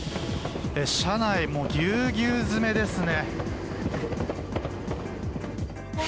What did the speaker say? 車内もう、ぎゅうぎゅう詰めですね。